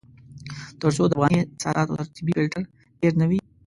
تر څو د افغاني اساساتو تر طبيعي فلټر تېر نه وي.